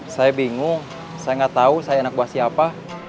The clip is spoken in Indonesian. saya bingung saya gak tau saya anak buah siapa